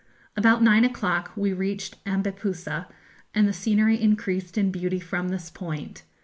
About nine o'clock we reached Ambepussa, and the scenery increased in beauty from this point.